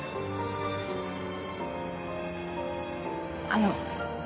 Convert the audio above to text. あの。